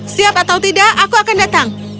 siap atau tidak aku akan datang